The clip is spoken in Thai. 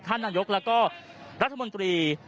ท่านนายกแล้วก็รัฐมนตรี